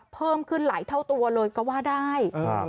เพิ่มขึ้นหลายเท่าตัวเลยก็ว่าได้